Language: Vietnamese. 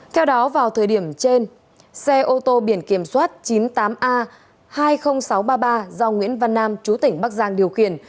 theo đó vào thời điểm trên xe ô tô biển kiểm soát chín mươi tám a hai mươi nghìn sáu trăm ba mươi ba do nguyễn văn nam chú tỉnh bắc giang điều khiển